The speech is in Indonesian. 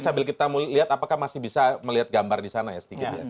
sambil kita lihat apakah masih bisa melihat gambar di sana ya sedikit ya